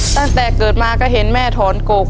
ตั้งแต่เกิดมาก็เห็นแม่ถอนกก